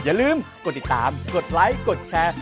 อย่าลืมกดติดตามกดไลค์กดแชร์